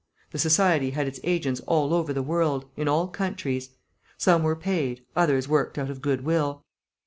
The society had its agents all over the world, in all countries. Some were paid, others worked out of good will.